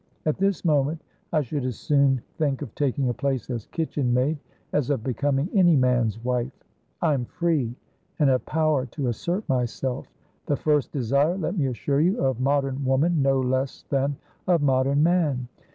At this moment, I should as soon think of taking a place as kitchen maid as of becoming any man's wife. I am free, and have power to assert myselfthe first desire, let me assure you, of modern woman no less than of modern man.